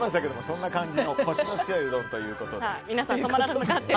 そんな感じのコシの強いうどんということで。